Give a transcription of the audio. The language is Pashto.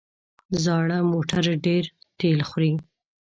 زاړه موټر ډېره تېل خوري.